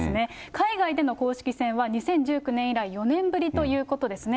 海外での公式戦は２０１９年以来４年ぶりということですね。